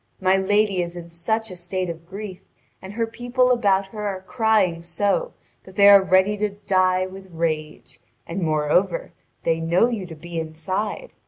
My lady is in such a state of grief, and her people about her are crying so that they are ready to die with rage; and, moreover, they know you to be inside.